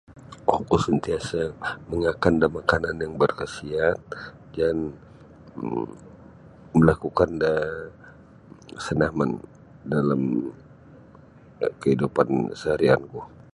Oku santiasa' mangakan da makanan yang barkhasiat dan mo melakukan da sanaman dalam kaidupan seharianku.